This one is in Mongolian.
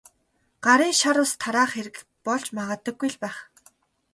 Гарын шар ус тараах хэрэг болж магадгүй л байх.